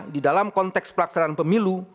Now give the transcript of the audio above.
di dalam konteks pelaksanaan pemilu